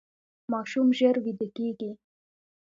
ماشوم ژر ویده کیږي.